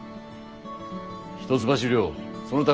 一橋領その他